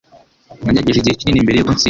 Nagerageje igihe kinini mbere yuko ntsinda.